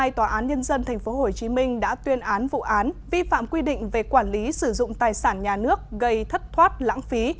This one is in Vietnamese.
tòa án nhân dân tp hcm đã tuyên án vụ án vi phạm quy định về quản lý sử dụng tài sản nhà nước gây thất thoát lãng phí